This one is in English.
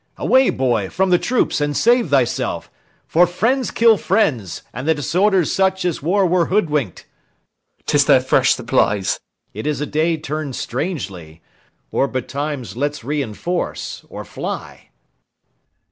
Away, boy, from the troops, and save thyself; For friends kill friends, and the disorder's such As war were hoodwink'd. IACHIMO. 'Tis their fresh supplies. LUCIUS. It is a day turn'd strangely. Or betimes Let's reinforce or fly.